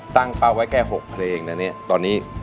ตั้งเป้าไว้แก้๖เพลงแล้วตอนนี้